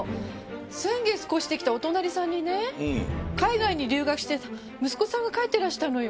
先月越してきたお隣さんにね海外に留学してた息子さんが帰ってらしたのよ。